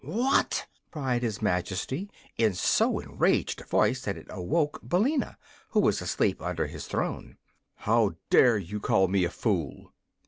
"What!" cried his Majesty, in so enraged a voice that it awoke Billina, who was asleep under his throne. "How dare you call me a fool?"